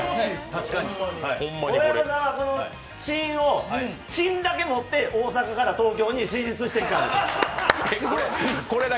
大山さんはチンだけ持って大阪から東京に進出してきたんです。